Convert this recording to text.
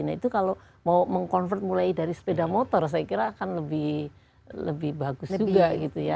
nah itu kalau mau meng convert mulai dari sepeda motor saya kira akan lebih bagus juga gitu ya